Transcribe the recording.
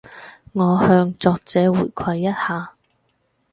我向作者回饋一下